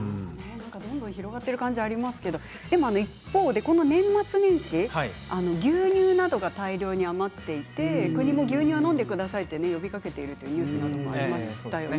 どんどん広がってる感じがありますけども一方でこの年末年始牛乳などが大量に余っていて国も牛乳を飲んでくださいと呼びかけているというニュースがありましたよね。